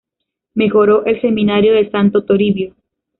Mejoró el Seminario de Santo Toribio.